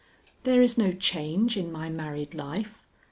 There is no change in my married life.